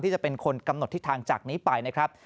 จะเป็นคนกำหนดทิศทางจากนี้ไปนะครับ